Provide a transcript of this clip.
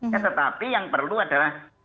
ya tetapi yang perlu adalah